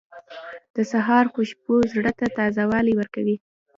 • د سهار خوشبو زړه ته تازهوالی ورکوي.